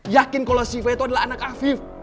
yakin kalau siva itu adalah anak afif